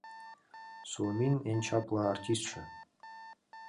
СУОМИН ЭН ЧАПЛЕ АРТИСТШЕ